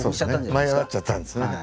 舞い上がっちゃったんですね。